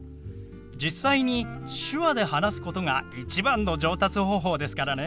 実際に手話で話すことが一番の上達方法ですからね。